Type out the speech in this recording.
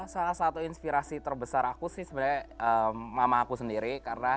salah satu inspirasi terbesar aku sih sebenarnya mama aku sendiri